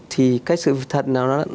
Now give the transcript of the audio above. thì cái sự thật là